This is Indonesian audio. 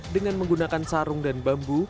dengan menggunakan sarung dan bambu